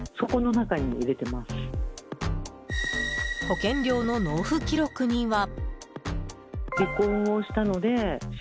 保険料の納付記録には。